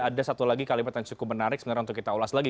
ada satu lagi kalimat yang cukup menarik sebenarnya untuk kita ulas lagi